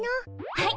はい！